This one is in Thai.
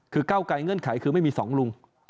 คือก้าวไกลเงื่อนไขคือไม่มี๒ลุง